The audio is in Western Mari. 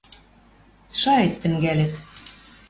шайыц тӹнгӓлӹт